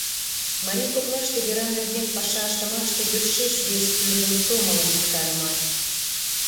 Марий коклаште вера нерген паша ыштымаште йӧршеш вес тӱрлын сомылым виктарыман.